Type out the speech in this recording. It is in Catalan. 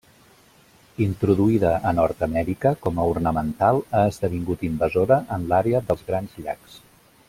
Introduïda a Nord-amèrica com a ornamental ha esdevingut invasora en l'àrea dels Grans Llacs.